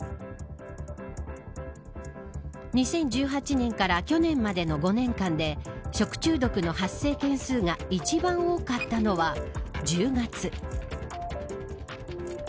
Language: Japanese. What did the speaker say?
２０１８年から去年までの５年間で食中毒の発生件数が一番多かったのは１０月。